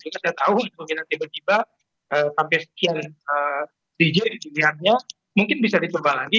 saya tahu pembiayaan tiba tiba sampai sekian dj di dunianya mungkin bisa dicoba lagi